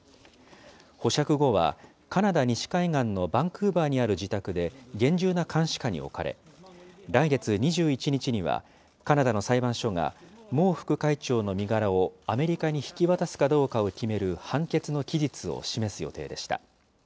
保釈後は、カナダ西海岸のバンクーバーにある自宅で厳重な監視下に置かれ、来月２１日には、カナダの裁判所が、孟副会長の身柄をアメリカに引き渡すかどうかを決める判決の期日を示す予定でした。